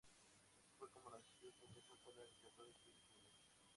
Así fue como nació su vocación por la Literatura infantil y juvenil.